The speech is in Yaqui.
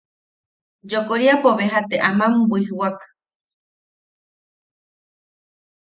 Yokoriapo beja te aman bwijwak.